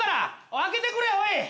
開けてくれおい！